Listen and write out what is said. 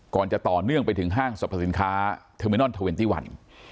จะต่อเนื่องไปถึงห้างสรรพสินค้าเทอร์มินอนเทอร์เวนตี้วัน